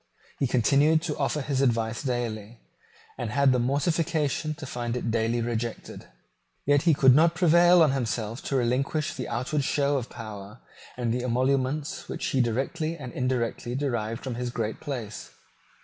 He continued to offer his advice daily, and had the mortification to find it daily rejected. Yet he could not prevail on himself to relinquish the outward show of power and the emoluments which he directly and indirectly derived from his great place.